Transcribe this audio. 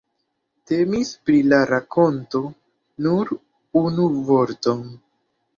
Temis pri la rakonto Nur unu vorton!